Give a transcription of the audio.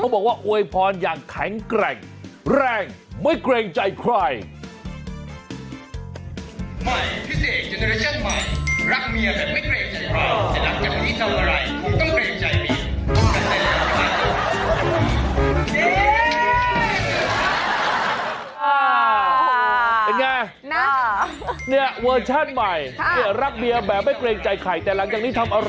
บอกว่าอวยพรอย่างแข็งแกร่งแรงไม่เกรงใจใคร